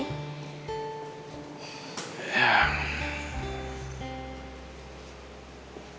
reva kangen banget deh pi sama suasana apartemen ini